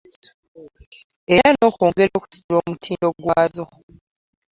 Era n'okwongera okusitula omutindo gwazo.